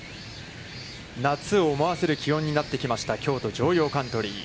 夏を思わせる気温になってきました、京都城陽カントリー。